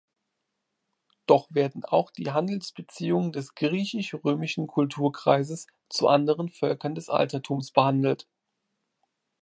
Doch werden auch die Handelsbeziehungen des griechisch-römischen Kulturkreises zu anderen Völkern des Altertums behandelt.